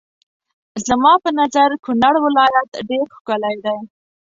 زما په نظر کونړ ولايت ډېر ښکلی دی.